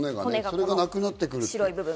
これがなくなってくる。